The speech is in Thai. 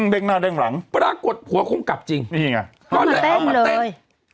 เด้งหน้าเด้งหลังปรากฏหัวคงกลับจริงนี่ไงเอามาเต้นเลย